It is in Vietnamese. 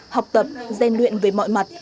học tập gian luyện về mọi mặt